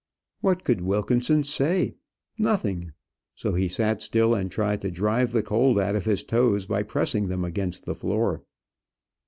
What could Wilkinson say? Nothing. So he sat still and tried to drive the cold out of his toes by pressing them against the floor.